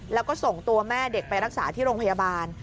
แล้วก็ส่งตัวแม่เด็กไปรักษาที่โรงพยาบาล